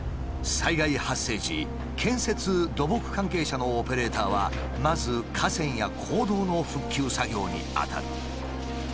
災害発生時建設土木関係者のオペレーターはまず河川や公道の復旧作業に当たる。